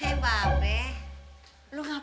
iya aku ngerti